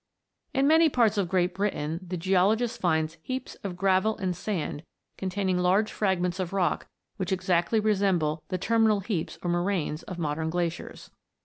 In many parts of Great Britain the geologist finds heaps of gravel and sand containing large fragments of rock which exactly resemble the terminal heaps or moraines of modern glaciers.